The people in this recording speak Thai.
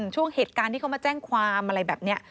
ช่วงเหตุการณ์ที่เขามาแจ้งความอะไรแบบนี้